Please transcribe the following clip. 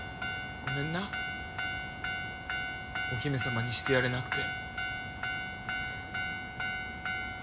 ごめんなお姫様にしてやれなくて。